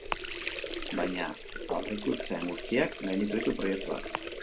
Baina, aurrikuspen guztiak gainditu ditu proiektuak.